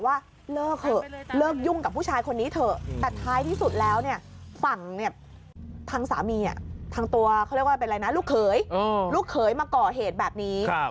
ฝั่งเนี่ยทางสามีอ่ะทางตัวเขาเรียกว่าเป็นอะไรนะลูกเขยลูกเขยมาเกาะเหตุแบบนี้